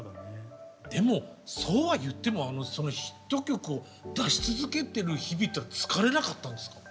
でもそうは言ってもヒット曲を出し続けてる日々というのは疲れなかったんですか？